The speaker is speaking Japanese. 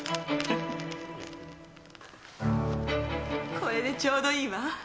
これでちょうどいいわ。